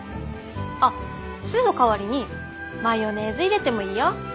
あっ酢の代わりにマヨネーズ入れてもいいよ。